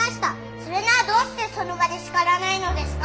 それならどうしてその場で叱らないのですか？